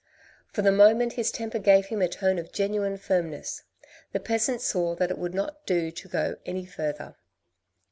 For the moment his temper gave him a tone of genuine firm ness. The peasant saw that it would not do to go any further.